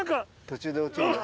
途中で落ちるよ。